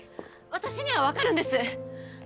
私にはわかるんです。